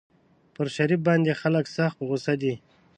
پر شريف باندې خلک سخت په غوسه دي.